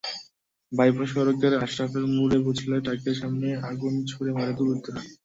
Bypass সড়কের আশরাফের মোড়ে পৌঁছলে ট্রাকের সামনে আগুন ছুড়ে মারে দুর্বৃত্তরা।